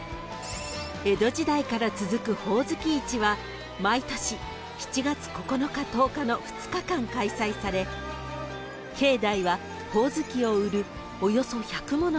［江戸時代から続くほおずき市は毎年７月９日・１０日の２日間開催され境内はほおずきを売るおよそ１００もの